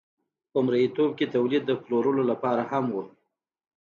په مرئیتوب کې تولید د پلورلو لپاره هم و.